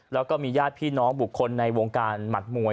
แล้วก็มีญาติพี่น้องบุคคลในวงการหมัดมวย